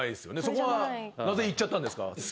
そこはなぜいっちゃったんですか？